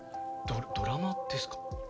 ドラマですか？